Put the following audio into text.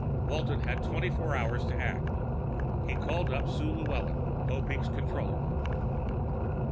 Walton had twenty four hours to act. He called up Sue Llewellyn, Popeek's comptroller.